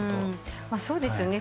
そうですね。